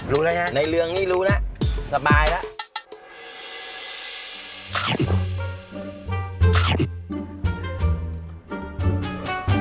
รู้แล้วฮะในเรืองนี่รู้แล้วสบายแล้ว